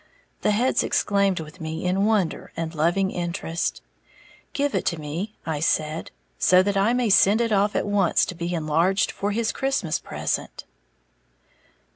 The heads exclaimed with me in wonder and loving interest. "Give it to me," I said, "so that I may send it off at once to be enlarged for his Christmas present."